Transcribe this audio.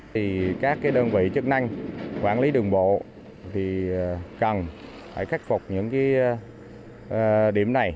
thì các đơn vị chức năng quản lý đường bộ thì cần phải khắc phục những điểm này